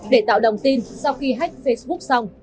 để tạo đồng tin sau khi hách facebook xong